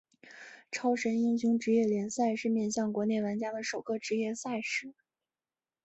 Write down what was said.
超神英雄职业联赛是面向国内玩家的首个职业赛事。